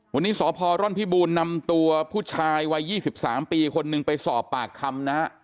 วันนี้สพร่อนพิบูลนำตัวผู้ชายวัย๒๓ปีคนหนึ่งไปสอบปากคำนะฮะ